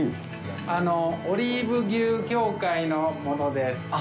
あのオリーブ牛協会の者です。